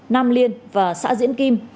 nam liên và xã diễn kim